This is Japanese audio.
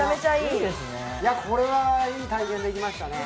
いやこれはいい体験できましたね